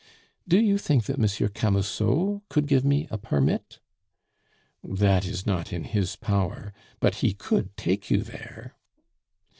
"Do you think that Monsieur Camusot could give me a permit?" "That is not in his power; but he could take you there."